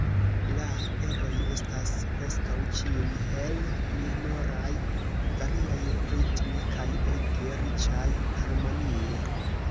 La eroj estas preskaŭ ĉiuj hel-minoraj, variaj ritme kaj ege riĉaj harmonie.